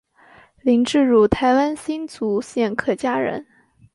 林志儒台湾新竹县客家人。